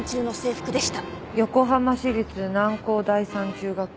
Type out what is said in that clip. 横浜市立南幸第三中学校。